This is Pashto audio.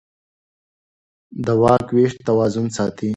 د واک وېش توازن ساتي